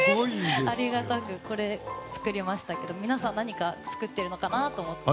ありがたく、作りましたけど皆さん何か作ってるのかなって。